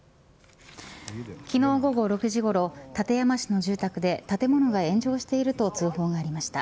昨日午後６時ごろ館山市の住宅で建物が炎上していると通報がありました。